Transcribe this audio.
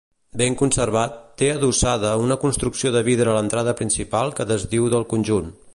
Ben conservat, té adossada una construcció de vidre a l'entrada principal que desdiu del conjunt.